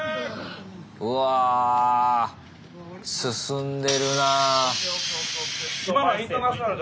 うわあ進んでるなぁ。